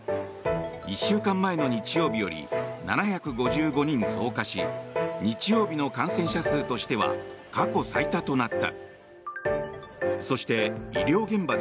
１週間前の日曜日より７５５人増加し日曜日の感染者数としては過去最多となった。